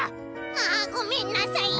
「ああごめんなさい」。